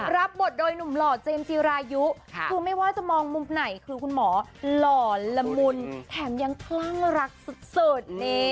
รับบทโดยหนุ่มหล่อเจมส์จีรายุคือไม่ว่าจะมองมุมไหนคือคุณหมอหล่อละมุนแถมยังคลั่งรักสุด